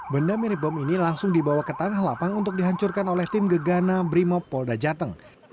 benda mirip bom ini langsung dibawa ke tanah lapang untuk dihancurkan oleh tim gegana brimob polda jateng